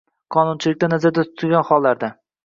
qonunchilikda nazarda tutilgan hollarda.